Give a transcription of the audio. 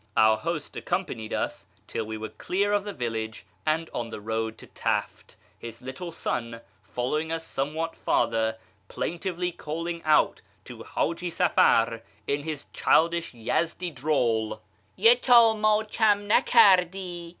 Our host accompanied us till we were clear of the village and on the road to Taft, his little son following us somewhat farther, plaintively calling out to Haji Safar in his childish Yezdi drawl, " Ye ta mdcham na kardi